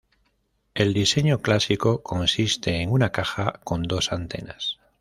El diseño clásico consiste en una caja con dos antenas.